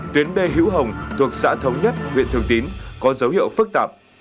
tuyến b hữu hồng thuộc xã thống nhất huyện thường tín có dấu hiệu phức tạp